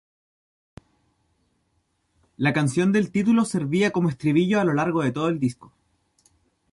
La canción del título servía como estribillo a lo largo de todo el disco.